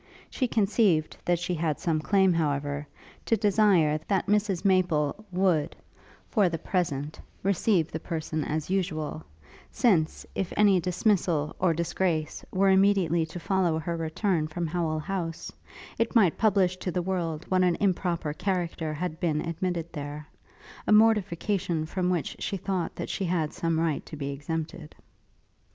She conceived that she had some claim, however, to desire, that Mrs Maple would, for the present, receive the person as usual; since if any dismissal, or disgrace, were immediately to follow her return from Howel House, it might publish to the world what an improper character had been admitted there; a mortification from which she thought that she had some right to be exempted.